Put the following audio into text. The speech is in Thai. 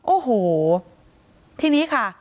โอ้โหทีนี้ค่ะ